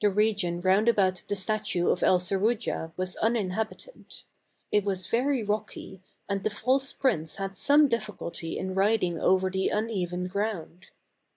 The region round about the statue of El Seru jah was uninhabited. It was very rocky, and the false prince had some difficulty in riding over the uneven ground.